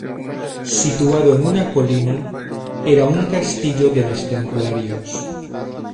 Situado en una colina, era un castillo de los Templarios.